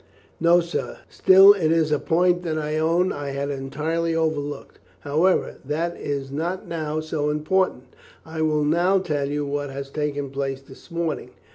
"No, sir; still it is a point that I own I had entirely overlooked; however, that is not now so important. I will now tell you what has taken place this morning."